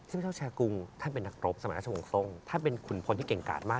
พระเจ้าแชร์กรุงท่านเป็นนักรบสมัยราชวงศ์ทรงท่านเป็นขุนพลที่เก่งกาดมาก